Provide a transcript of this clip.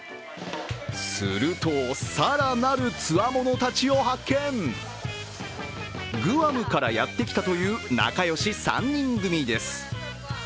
すると、更なるつわものたちを発見グアムからやってきたという仲良し３人組です。